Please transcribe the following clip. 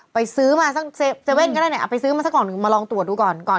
ไปซื้อมาซักเจเว่นก็ได้ไงไปซื้อมาซักก่อนมาลองตรวจดูก่อน